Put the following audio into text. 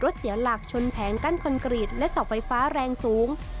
เสียหลักชนแผงกั้นคอนกรีตและเสาไฟฟ้าแรงสูง